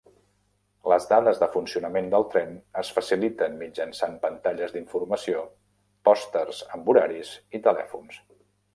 Les dades de funcionament del tren es faciliten mitjançant pantalles d'informació, pòsters amb horaris i telèfon.